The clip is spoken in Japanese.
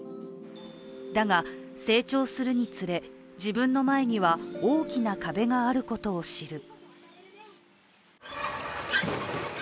だが、成長するにつれ、自分の前には大きな壁があることを知る。